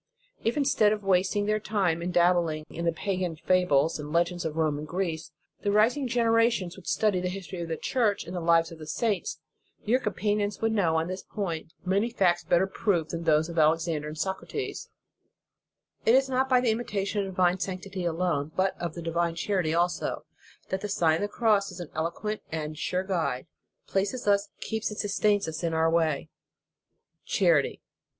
If, instead of wasting their time in dabbling in o o the pagan fables, and legends of Rome and Greece, the rising generations would study the history of the Church and the lives ot the saints, your companions would know, on this point, many facts better proved than those of Alexander and Socrates.* * See Gretzer, p. 696, et suiv. In the Nineteenth Century. 291 It is not by the imitation of the divine sanctity alone, but of the divine charity also, that the Sign of the Cross, as an eloquent and sure guide, places us, keeps and sustains us in our way. Charity.